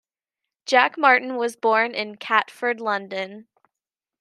Jack Martin was born in Catford, London.